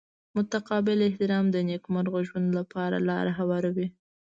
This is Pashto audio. متقابل احترام د نیکمرغه ژوند لپاره لاره هواروي.